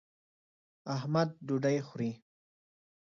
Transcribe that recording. احمد ډوډۍ خوري.